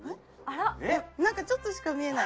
なんかちょっとしか見えない。